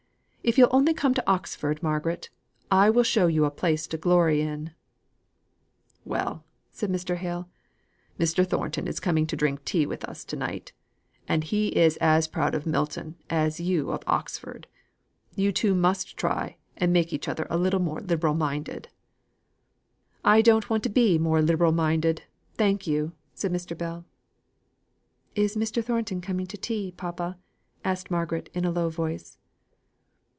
If you'll only come to Oxford, Margaret, I will show you a place to glory in." "Well!" said Mr. Hale, "Mr. Thornton is coming to drink tea with us to night, and he is as proud of Milton as you of Oxford. You two must try and make each other a little more liberal minded." "I don't want to be more liberal minded, thank you," said Mr. Bell. "Is Mr. Thornton coming to tea, papa!" asked Margaret in a low voice.